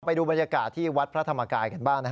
ไปดูบรรยากาศที่วัดพระธรรมกายกันบ้าง